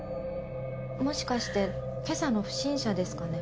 もしかして今朝の不審者ですかね？